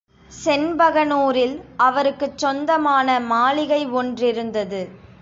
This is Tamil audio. செண்பகனூரில் அவருக்குச் சொந்தமான மாளிகை ஒன்றிருந்தது.